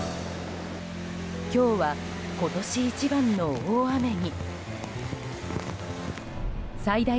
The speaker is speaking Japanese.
今日は、今年一番の大雨に。